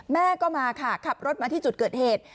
แม่ก็มาค่ะขับรถมาที่จุดเกิดเหตุ